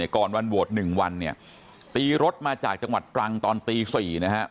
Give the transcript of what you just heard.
ก่อนวันโหวตหนึ่งวันตีรถมาจากจังหวัดตรังตอนตีสี่